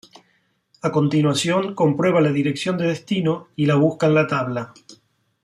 A continuación comprueba la dirección de destino y la busca en la tabla.